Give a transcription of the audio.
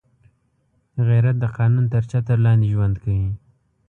غیرت د قانون تر چتر لاندې ژوند کوي